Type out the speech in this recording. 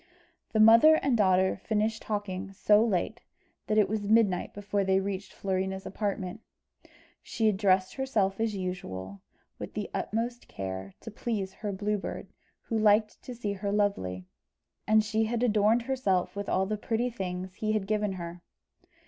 The mother and daughter finished talking so late that it was midnight before they reached Florina's apartment. She had dressed herself as usual, with the utmost care, to please her Blue Bird, who liked to see her lovely; and she had adorned herself with all the pretty things he had given her.